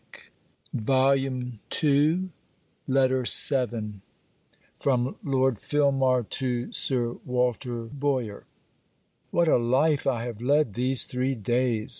CAROLINE ASHBURN LETTER VII FROM LORD FILMAR TO SIR WALTER BOYER What a life have I led these three days!